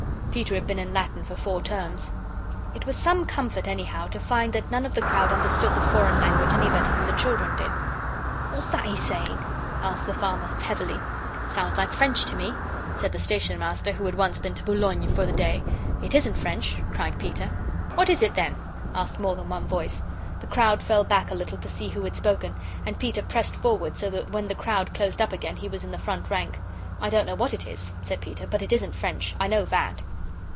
Peter had been in Latin for four terms. It was some comfort, anyhow, to find that none of the crowd understood the foreign language any better than the children did. "What's that he's saying?" asked the farmer, heavily. "Sounds like French to me," said the Station Master, who had once been to Boulogne for the day. "It isn't French!" cried Peter. "What is it, then?" asked more than one voice. The crowd fell back a little to see who had spoken, and Peter pressed forward, so that when the crowd closed up again he was in the front rank. "I don't know what it is," said Peter, "but it isn't French. I know that."